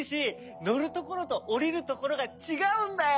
のるところとおりるところがちがうんだよ！